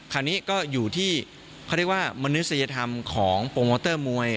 คราวนี้ก็อยู่ที่เขาเรียกว่ามนุษยธรรมของโปรโมเตอร์มวย